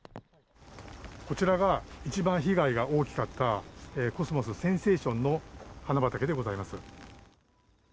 こちらが一番被害が大きかったコスモス、センセーションの花畑でございます。